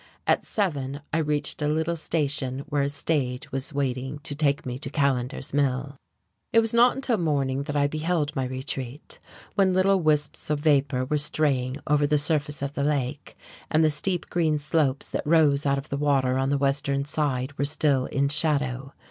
At seven I reached a little station where a stage was waiting to take me to Callender's Mill. It was not until morning that I beheld my retreat, when little wisps of vapour were straying over the surface of the lake, and the steep green slopes that rose out of the water on the western side were still in shadow.